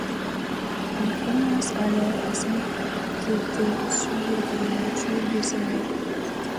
Il commence alors à s'inquiéter au sujet de la nature de ces rêves.